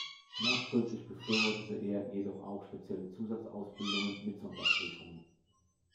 Nachdrücklich befürwortete er jedoch auch spezielle Zusatzausbildungen mit Sonderprüfungen.